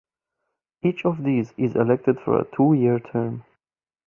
Each of these is elected for a two-year term.